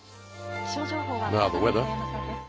気象情報は、再び、晴山さんです。